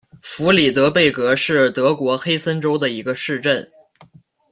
弗里德贝格是德国黑森州的一个市镇。